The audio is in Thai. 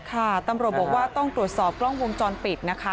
ตำรวจบอกว่าต้องตรวจสอบกล้องวงจรปิดนะคะ